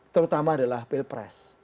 terutama adalah pilpres